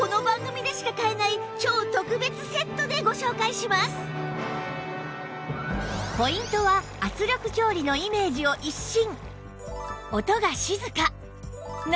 しかもポイントは圧力調理のイメージを一新！